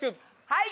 はい！